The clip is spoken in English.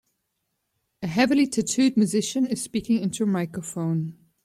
A heavily tattooed musician is speaking into a microphone.